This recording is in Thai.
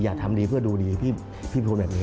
ทำดีเพื่อดูดีพี่พูดแบบนี้